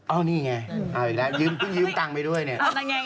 อ้าวนี่ไงอ้าวอีกแล้วยืมตังไปด้วยเนี่ย